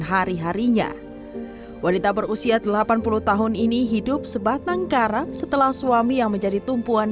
hari harinya wanita berusia delapan puluh tahun ini hidup sebatang karang setelah suami yang menjadi tumpuan